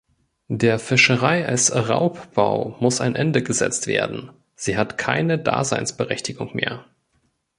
Der Fischerei als Raubbau muss ein Ende gesetzt werden, sie hat keine Daseinsberechtigung mehr.